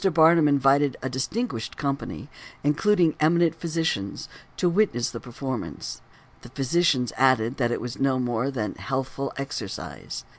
Barnum invited a distinguished company, including eminent physicians, to witness the performance; the physicians added that it was no more than healthful exercise.